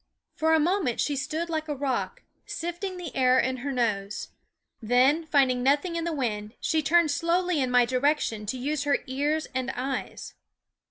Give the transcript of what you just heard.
For a moment she stood like a rock, sifting the air in her nose ; then, finding nothing in the wind, she turned slowly in my direction to use her ears and eyes.